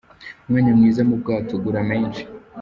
Umwanya mwiza mu bwato ugura menshi.